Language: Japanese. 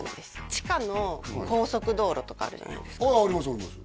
地下の高速道路とかあるじゃないですかありますあります